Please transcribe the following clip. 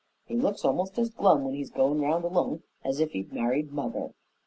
"He looks almost as glum, when he's goin' round alone, as if he'd married mother.